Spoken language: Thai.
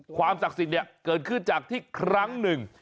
ความศักดิ์สิทธิ์เนี่ยเกิดขึ้นจากที่ครั้งหนึ่ง